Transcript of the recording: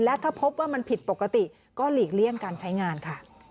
และถ้าพบว่ามันผิดปกติก็หลีกเลี่ยงการใช้งานค่ะ